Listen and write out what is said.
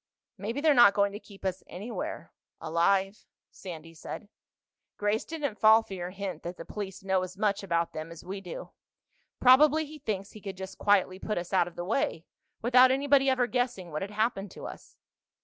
"Maybe they're not going to keep us anywhere—alive," Sandy said. "Grace didn't fall for your hint that the police know as much about them as we do. Probably he thinks he could just quietly put us out of the way, without anybody ever guessing what had happened to us."